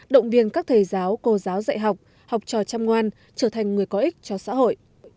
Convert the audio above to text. động viên các thầy giáo cô giáo dạy học học trò chăm ngoan trở thành người có ích cho xã hội